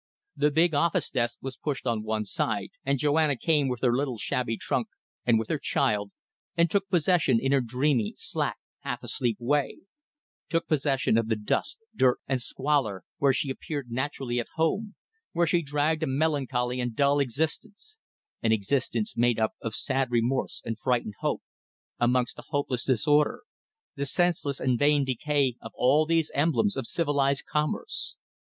The big office desk was pushed on one side, and Joanna came with her little shabby trunk and with her child and took possession in her dreamy, slack, half asleep way; took possession of the dust, dirt, and squalor, where she appeared naturally at home, where she dragged a melancholy and dull existence; an existence made up of sad remorse and frightened hope, amongst the hopeless disorder the senseless and vain decay of all these emblems of civilized commerce.